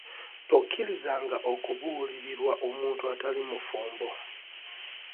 Tokkirizanga okubuulirirwa omuntu atali mufumbo.